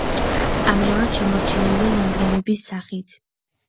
ამჟამად შემორჩენილია ნანგრევების სახით.